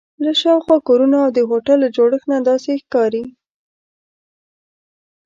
له شاوخوا کورونو او د هوټل له جوړښت نه داسې ښکاري.